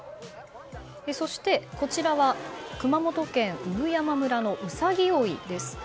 そして、こちらは熊本県産山村のうさぎ追いです。